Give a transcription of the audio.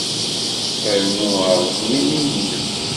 Rnu rẓem imi-nnem.